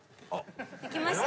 できました。